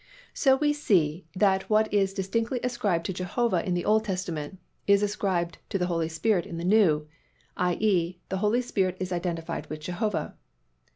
So we see that what is distinctly ascribed to Jehovah in the Old Testament is ascribed to the Holy Spirit in the New: i. e., the Holy Spirit is identified with Jehovah.